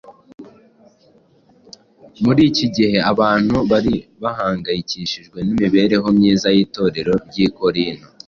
Muri iki gihe abantu bari bahangayikishijwe n’imibereho myiza y’Itorero ry’i Korinto